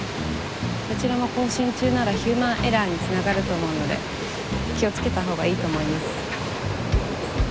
どちらも交信中ならヒューマンエラーに繋がると思うので気をつけたほうがいいと思います。